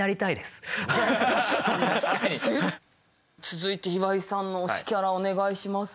続いて岩井さんの推しキャラお願いします。